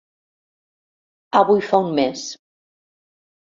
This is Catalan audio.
Avui fa un mes.